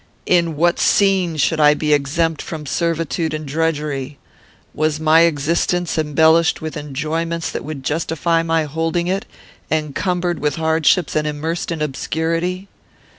In what scene should I be exempt from servitude and drudgery? Was my existence embellished with enjoyments that would justify my holding it, encumbered with hardships and immersed in obscurity?